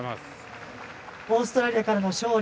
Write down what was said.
オーストラリアからの勝利